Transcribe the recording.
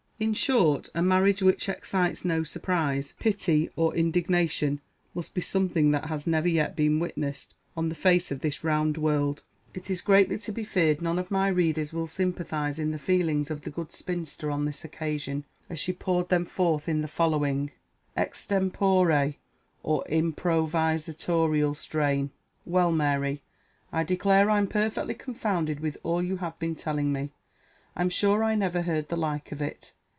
In short, a marriage which excites no surprise, pity, or indignation, must be something that has never yet been witnessed on the face of this round world. It is greatly to be feared none of my readers will sympathise in the feelings of the good spinster on this occasion, as she poured them forth in the following extempore or improvisatorial strain: "Well, Mary, I declare I'm perfectly confounded with all you have been telling me! I'm sure I never heard the like of it!